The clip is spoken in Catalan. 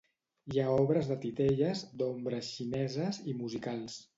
Hi ha obres de titelles, d’ombres xineses i musicals.